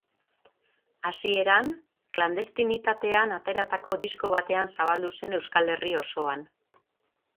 Hasieran, klandestinitatean ateratako disko batean zabaldu zen Euskal Herri osoan.